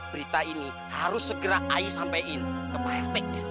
berita ini harus segera saya sampein ke pak artik